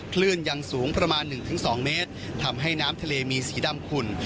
คลื่นยังสูงประมาณ๑๒เมตรทำให้น้ำทะเลมีสีดำขุ่น